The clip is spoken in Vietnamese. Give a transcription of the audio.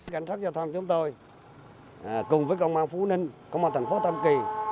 cảnh sát giao thông chúng tôi cùng với công an phú ninh công an thành phố tam kỳ